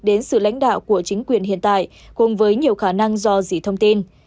đến sự lãnh đạo của chính quyền hiện tại cùng với nhiều khả năng do dỉ thông tin